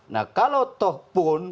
nah kalau tohpun